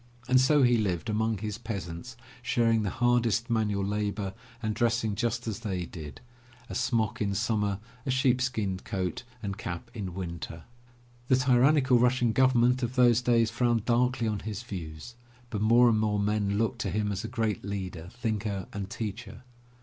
And so he lived among his peasants, sharing the hardest manual labor and dressing just as they did, a smock in summer, a sheepskin coat 167 MY BOOK HOUSE and cap in winter. The tyrannical Russian government of those days frowned darkly on his views, but more and more men looked to him as a great leader, thinker and teacher.